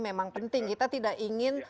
memang penting kita tidak ingin